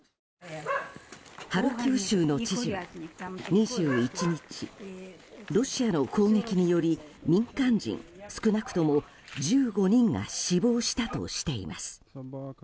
ハルキウ州の知事は２１日ロシアの攻撃により民間人、少なくとも１５人が死亡したとしています。